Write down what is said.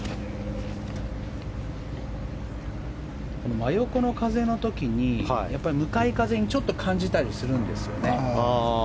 真横の風の時に、向かい風に感じたりするんですよね。